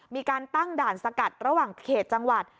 มีการตั้งด่านสกัดระหว่างเขตจังหวัด